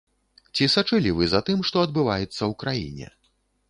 Ці сачылі вы за тым, што адбываецца ў краіне?